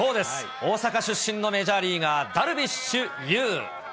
大阪出身のメジャーリーガー、ダルビッシュ有。